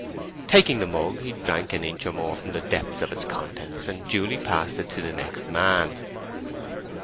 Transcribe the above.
Taking the mug he drank an inch or more from the depth of its contents, and duly passed it to the next man.